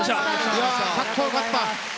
かっこよかった。